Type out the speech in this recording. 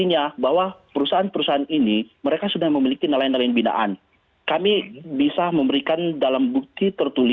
ya ini menarik sekali